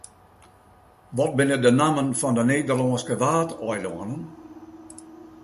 Wat binne de nammen fan de Nederlânske Waadeilannen?